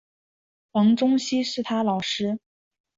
黄宗羲是他的老师。